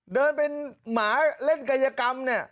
เดินเป็นหมาเล่นกายกรรม